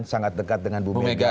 sangat dekat dengan bumega